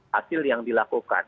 hasil yang dilakukan